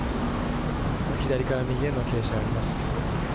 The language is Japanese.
左から右への傾斜があります。